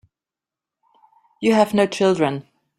You have no children.